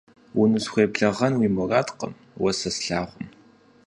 Унысхуеблэгъэн уи мурадкъым уэ сэ слъагъум.